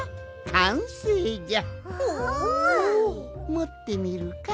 もってみるか？